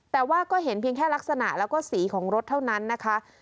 แต่ว่าก็เห็นเพียงแค่ลักษณะแล้วก็สีของรถเท่านั้นนะคะ